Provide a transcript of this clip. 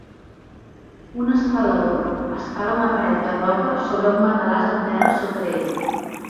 un escalador escala una paret de roca sobre un matalàs al terra sota d'ell.